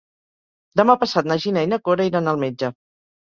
Demà passat na Gina i na Cora iran al metge.